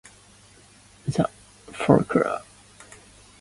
This meaning is at the core of folkloristics, the study of folklore.